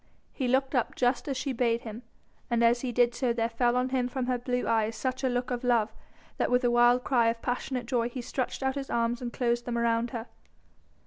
He looked up just as she bade him, and as he did so there fell on him from her blue eyes such a look of love, that with a wild cry of passionate joy he stretched out his arms and closed them around her.